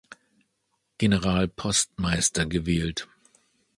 Generalpostmeister gewählt.